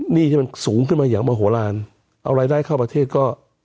หนี้ที่มันสูงขึ้นมาอย่างมโหลานเอารายได้เข้าประเทศก็